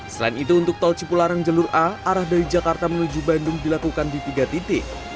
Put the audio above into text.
selain itu untuk tol cipularang jalur a arah dari jakarta menuju bandung dilakukan di tiga titik